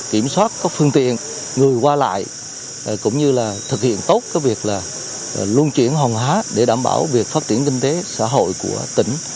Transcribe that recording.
kiểm soát các phương tiện người qua lại cũng như là thực hiện tốt việc luân chuyển hòn hóa để đảm bảo việc phát triển kinh tế xã hội của tỉnh